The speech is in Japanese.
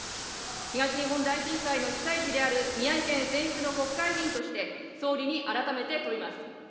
東日本大震災の被災地である宮城県選出の国会議員として、総理に改めて問います。